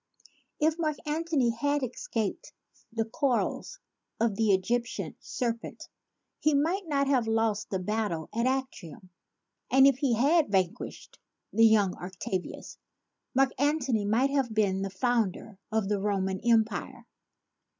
If Mark Antony had escaped the coils of the Egyptian serpent, he might not have lost the battle of Actium; and if he had vanquished the young Octavius, Mark Antony might have been the founder of the Roman Empire.